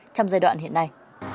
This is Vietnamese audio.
trong giai đoạn hiện nay